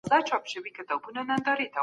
حکومتونو به سیاسي ستونزي حل کولې.